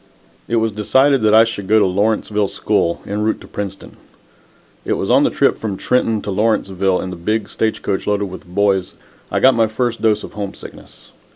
It was decided that I should go to Lawrenceville School, en route to Princeton. It was on the trip from Trenton to Lawrenceville, in the big stage coach loaded with boys, I got my first dose of homesickness.